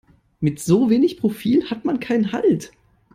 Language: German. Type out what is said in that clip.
Mit so wenig Profil hat man keinen Halt.